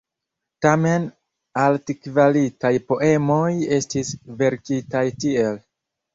Tamen altkvalitaj poemoj estis verkitaj tiel.